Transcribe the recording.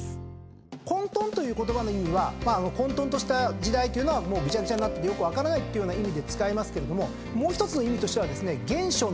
混沌という言葉の意味はまあ混沌とした時代というのはもうぐちゃぐちゃになっててよく分からないっていう意味で使いますけれどももう１つの意味としてはですね。